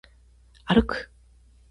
歩く